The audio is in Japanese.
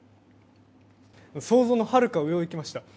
想像のはるか上をいきました。